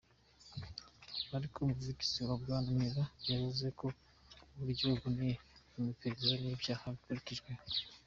Ariko umuvugizi wa Bwana Muller yavuze ko "uburyo buboneye mu iperereza ry’ibyaha" bwakurikijwe.